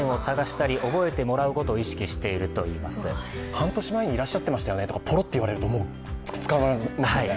「半年前にいらっしゃってましたよね」とかポロッと言われると、つかまれますよね。